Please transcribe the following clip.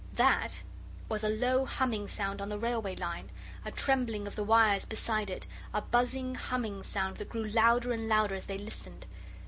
"That" was a low, humming sound on the railway line, a trembling of the wires beside it, a buzzing, humming sound that grew louder and louder as they listened.